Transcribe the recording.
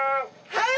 はい！